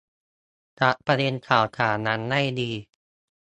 จับประเด็นข่าวสารนั้นให้ดี